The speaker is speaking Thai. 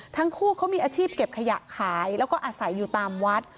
ทั้งคู่เขามีอาชีพเก็บขยะขายแล้วก็อาศัยอยู่ตามวัด